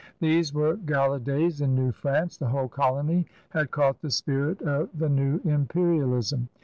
These were gala days in New France; the whole colony had caught the spirit of the new imperialism.